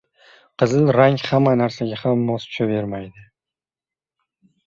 • Qizil rang hamma narsaga ham mos tushavermaydi.